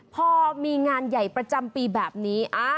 พอมีงานใหญ่ประจำปีแบบนี้